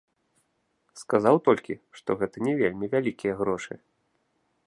Сказаў толькі, што гэта не вельмі вялікія грошы.